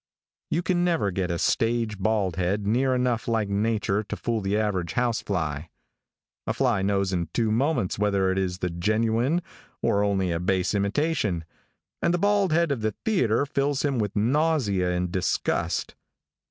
You can never get a stage bald head near enough like nature to fool the average house fly. A fly knows in two moments whether it is the genuine, or only a base imitation, and the bald head of the theatre fills him with nausea and disgust.